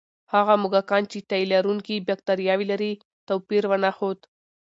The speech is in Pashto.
هغه موږکان چې د تیلرونکي بکتریاوې لري، توپیر ونه ښود.